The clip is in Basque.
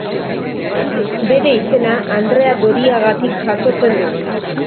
Bere izena Andrea Doriagatik jasotzen du.